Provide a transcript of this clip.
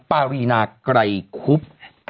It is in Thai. ปารีนาไกรคุบ